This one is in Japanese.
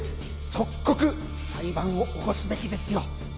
即刻裁判を起こすべきですよ。